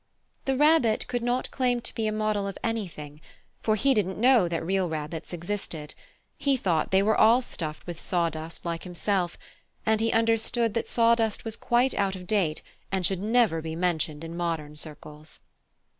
The Rabbit could not claim to be a model of anything, for he didn't know that real rabbits existed; he thought they were all stuffed with sawdust like himself, and he understood that sawdust was quite out of date and should never be mentioned in modern circles.